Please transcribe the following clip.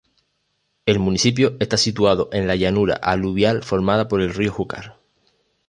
El municipio está situado en la llanura aluvial formada por el río Júcar.